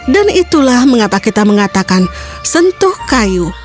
dan itulah mengapa kita mengatakan sentuh kayu